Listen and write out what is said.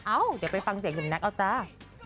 อ้าวเดี๋ยวไปฟังเสียงหยุดนักเอาจ้า